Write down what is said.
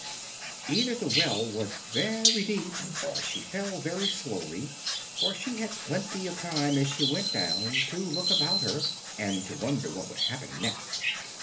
Either the well was very deep, or she fell very slowly, for she had plenty of time as she went down to look about her, and to wonder what would happen next.